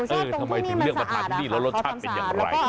เออทำไมถึงเลือกมาทานที่นี่แล้วรสชาติเป็นอย่างไร